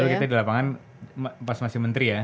kalau kita di lapangan pas masih menteri ya